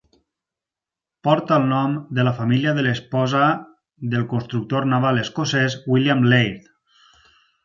Porta el nom de la família de l'esposa del constructor naval escocès William Laird.